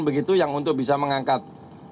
begitu yang untuk bisa mengangkat